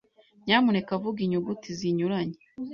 Nyamuneka vuga inyuguti zinyuranye.